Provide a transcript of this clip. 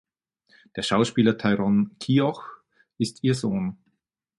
Der Schauspieler Tyrone Keogh ist ihr Sohn.